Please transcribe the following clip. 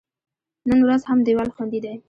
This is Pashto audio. نن ورځ هم دیوال خوندي دی.